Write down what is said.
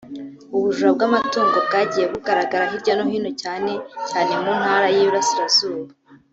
ubujura bw’amatungo bwagiye bugaragara hirya no hino cyane cyane mu Ntara y’I Burasirazuba